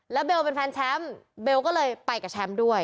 แล้วเบลเป็นแฟนแชมป์เบลก็เลยไปกับแชมป์ด้วย